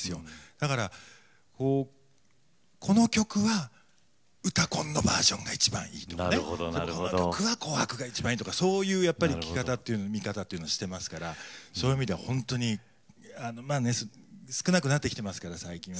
だからこの曲は「うたコン」のバージョンが一番いいとかねこの曲は「紅白」が一番いいとかそういう聞き方見方っていうのをしてますからそういう意味では本当に少なくなってきてますから最近は。